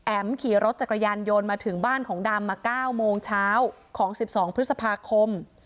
แอ๋มขี่รถจากกระยันโยนมาถึงบ้านของดำมาเก้ามงเช้าของสิบสองพฤษภาคม